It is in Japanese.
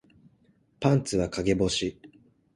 パンツは陰干し